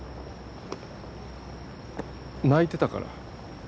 泣いてたから。